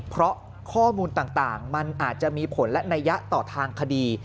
เพราะข้อมูลต่างมันอาจจะมีผลและนัยยะต่อทางคดี